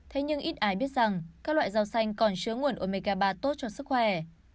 thế nhưng ít ai biết rằng các loại rau xanh còn chứa nguồn omega ba tốt cho sức khỏe